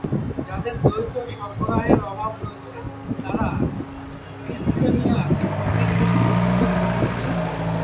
যাদের দ্বৈত সরবরাহের অভাব রয়েছে তারা ইসকেমিয়ার অনেক বেশি ঝুঁকিতে রয়েছে।